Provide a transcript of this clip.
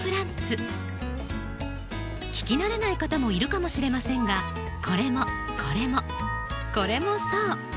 聞き慣れない方もいるかもしれませんがこれもこれもこれもそう。